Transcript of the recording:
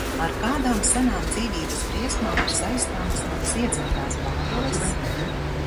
Ar kādām senām dzīvības briesmām ir saistāmas manas iedzimtās bailes?